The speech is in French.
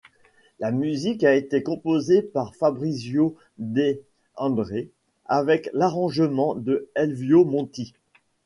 La musique a été composée par Fabrizio De André avec l'arrangement de Elvio Monti.